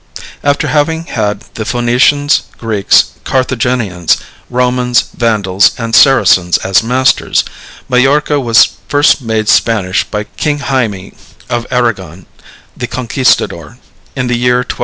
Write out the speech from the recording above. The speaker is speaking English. After having had the Phoenicians, Greeks, Carthaginians, Romans, Vandals, and Saracens as masters, Majorca was first made Spanish by King Jaime of Aragon, the Conquistador, in the year 1235.